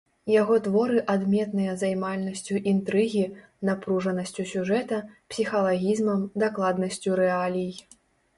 Яго творы адметныя займальнасцю інтрыгі, напружанасцю сюжэта, псіхалагізмам, дакладнасцю рэалій.